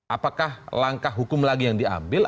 apakah langkah hukum lagi yang diambil